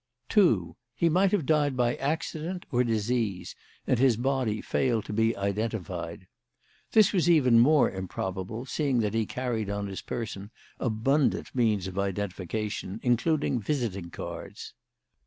"2. He might have died by accident or disease, and his body failed to be identified. This was even more improbable, seeing that he carried on his person abundant means of identification, including visiting cards.